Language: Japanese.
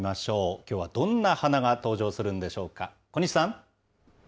きょうはどんな花が登場するんでしょうか。